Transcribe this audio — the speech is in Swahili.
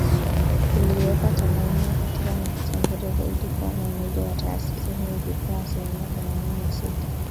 uliiweka Tanzania katika nafasi nzuri zaidi kuwa mwenyeji wa taasisi hiyo ikipewa asilimia themanini na sita.